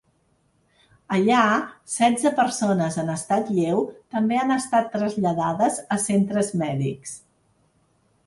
Allà, setze persones en estat lleu també han estat traslladades a centres mèdics.